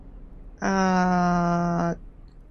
biji enam untuk bahasa Indonesia